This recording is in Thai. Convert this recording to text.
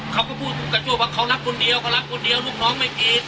เขาก็พูดกับช่วงว่าเขารักคนเดียวเขารักคนเดียวลูกน้องไม่กิน